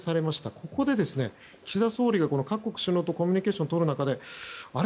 ここで岸田総理が各国首脳とコミュニケーションをとる中であれ？